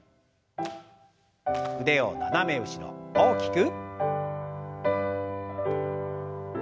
腕を斜め後ろ大きく。